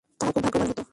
তারা খুব ভাগ্যবান হতো।